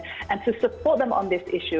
dan mendukung mereka di masalah ini